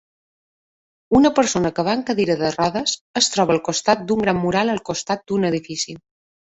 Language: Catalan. Una persona que va en cadira de rodes es troba al costat d'un gran mural al costat d'un edifici.